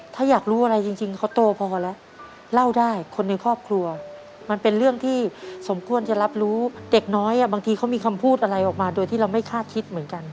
ถ้าอยากรู้อะไรจริงเขาโตพอแล้วเล่าได้คนในครอบครัวมันเป็นเรื่องที่สมควรจะรับรู้เด็กน้อยบางทีเขามีคำพูดอะไรออกมาโดยที่เราไม่คาดคิดเหมือนกัน